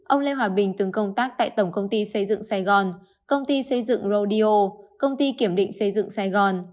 ông lê hòa bình từng công tác tại tổng công ty xây dựng sài gòn công ty xây dựng rodio công ty kiểm định xây dựng sài gòn